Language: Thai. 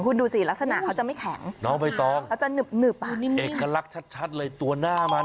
คุณดูสิลักษณะเขาจะไม่แข็งแล้วจะหนึบอ่ะเอกลักษณ์ชัดเลยตัวหน้ามัน